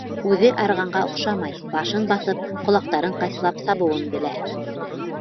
Үҙе арығанға оҡшамай, башын баҫып, ҡолаҡтарын ҡайсылап сабыуын белә.